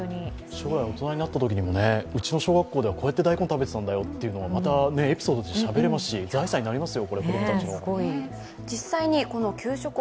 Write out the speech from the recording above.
将来大人になったときうちの小学校ではこうやって大根を食べていたんだよとまた、エピソードでしゃべれますし子供たちの財産になりますよ。